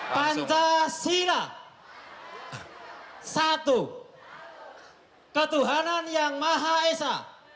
pancasila satu ketuhanan yang maha esa